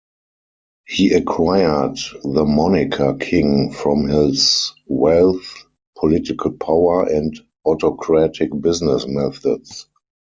He acquired the moniker "King" from his wealth, political power, and autocratic business methods.